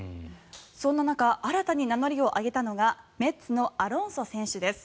そんな中新たに名乗りを上げたのがメッツのアロンソ選手です。